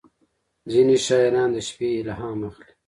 • ځینې شاعران د شپې الهام اخلي.